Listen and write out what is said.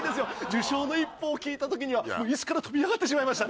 受賞の一報を聞いた時には椅子から跳び上がってしまいましたね。